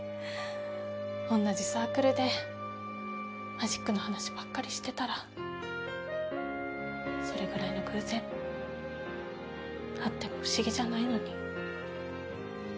おんなじサークルでマジックの話ばっかりしてたらそれぐらいの偶然あっても不思議じゃないのに。